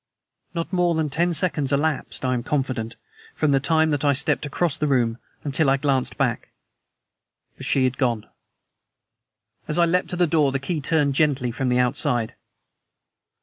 Not more than ten seconds elapsed, I am confident, from the time that I stepped across the room until I glanced back. But she had gone! As I leapt to the door the key turned gently from the outside.